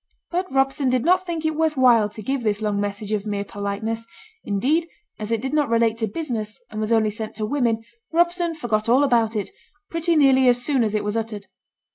But Robson did not think it worth while to give this long message of mere politeness. Indeed, as it did not relate to business, and was only sent to women, Robson forgot all about it, pretty nearly as soon as it was uttered.